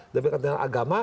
demi kepentingan agama